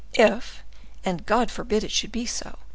If, and God forbid it should be so!